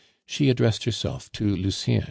She addressed herself to Lucien.